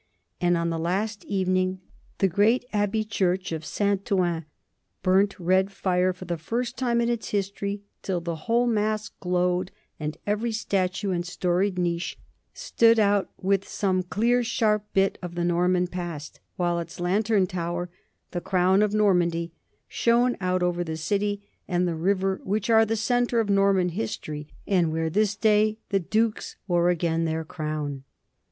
And on the last evening the great abbey church of Saint Ouen burnt red fire for the first time in its history till the whole mass glowed and every statue and storied niche stood out with some clear, sharp bit of the Norman past, while its lantern tower, "the crown of Normandy," shone out over the city and the river which are the centre of Norman history and where this day the dukes wore again their crown.